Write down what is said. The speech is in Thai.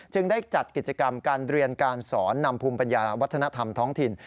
ได้จัดกิจกรรมการเรียนการสอนนำภูมิปัญญาวัฒนธรรมท้องถิ่น